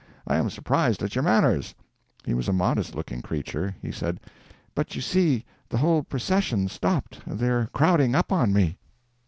I am surprised at your manners." He was a modest looking creature. He said: "But you see the whole procession's stopped, and they're crowding up on me."